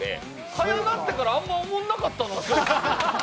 速なってからあんまりおもんなかったな。